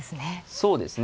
そうですね。